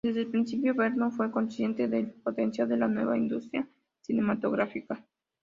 Desde el principio, Vernon fue consciente del potencial de la nueva industria cinematográfica.